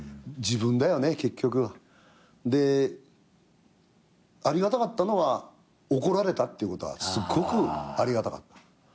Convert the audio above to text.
自分だよね結局は。でありがたかったのは怒られたっていうことはすっごくありがたかった。